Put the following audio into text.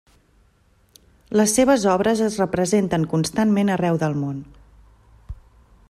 Les seves obres es representen constantment arreu del món.